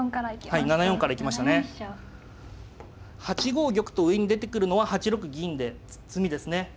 ８五玉と上に出てくるのは８六銀で詰みですね。